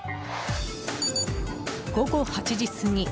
午後８時過ぎ。